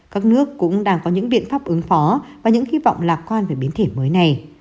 các nước cũng đang có những biện pháp ứng phó và những hy vọng lạc quan về biến thể mới này